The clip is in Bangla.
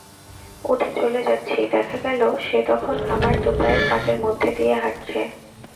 উঠে চলে যাচ্ছি, দেখা গেল সে তখন আমার দুপায়ের ফাঁকের মধ্যে দিয়ে হাঁটছে।